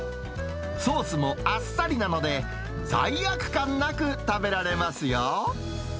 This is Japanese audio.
ソースもあっさりなので、罪悪感なく食べられますよ。